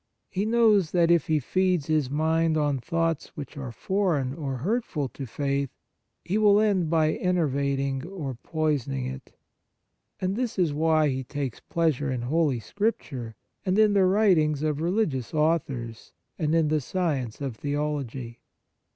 He knows that, if he feeds his mind on thoughts which are foreign or hurtful to faith, he will end by ener vating or poisoning it ; and this is why he takes pleasure in Holy Scripture and in the writings of religious authors, and in the science of theology.